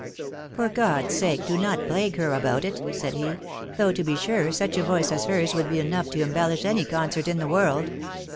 For God's sake, do not plague her about it," said he. Though, to be sure, such a voice as hers would be enough to embellish any concert in the world."